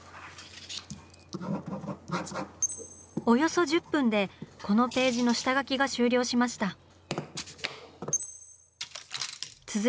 およそ１０分でこのページの下描きが終了しました。